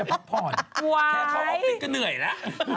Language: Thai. แค่เขาออกนิดก็เหนื่อยละ